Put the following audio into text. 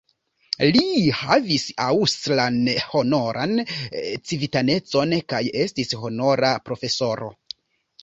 Li havis aŭstran honoran civitanecon kaj estis honora profesoro.